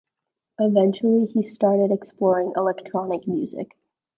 Eventually he started exploring electronic music.